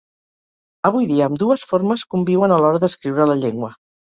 Avui dia, ambdues formes conviuen a l'hora d'escriure la llengua.